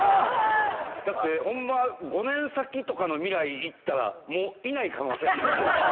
だってホンマ５年先とかの未来行ったらもういない可能性。